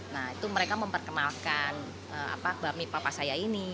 nah itu mereka memperkenalkan bakmi papa saya ini